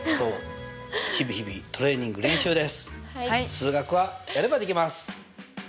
数学はやればできます！